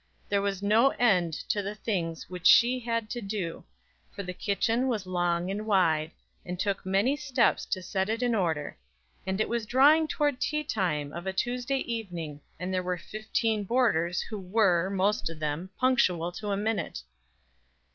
There was no end to the things which she had to do, for the kitchen was long and wide, and took many steps to set it in order, and it was drawing toward tea time of a Tuesday evening, and there were fifteen boarders who were, most of them, punctual to a minute.